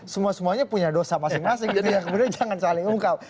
semua semuanya punya dosa masing masing gitu ya kemudian jangan saling ungkap